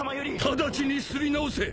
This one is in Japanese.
直ちに刷り直せ！